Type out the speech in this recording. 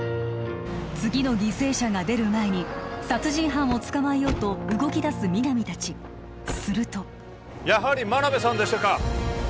次の犠牲者が出る前に殺人犯を捕まえようと動きだす皆実達するとやはり真鍋さんでしたか！